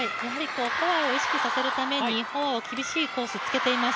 フォアを意識させるために、フォアを厳しいコースをつけています。